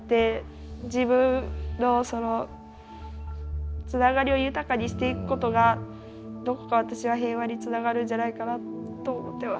自分のそのつながりを豊かにしてくことがどこか私は平和につながるんじゃないかなと思ってます。